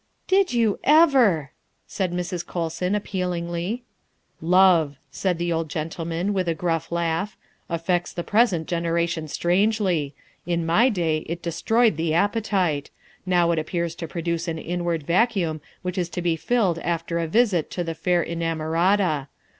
" Did you ever!" said Mrs. Colson appealingly. " Love," said the old gentleman, with a gruff laugh, " affects the present generation strangely. In my day it destroyed the appetite; now it appears to produce an inward vacuum which is to be filled after a visit to the fair inamorata.